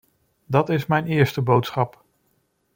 Dat is mijn eerste boodschap.